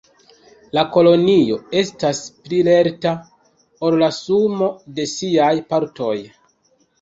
La kolonio estas pli lerta ol la sumo de siaj partoj.